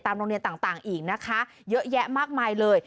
โรงเรียนต่างอีกนะคะเยอะแยะมากมายเลย